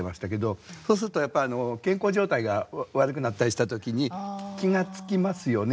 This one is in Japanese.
そうするとやっぱり健康状態が悪くなったりした時に気が付きますよね。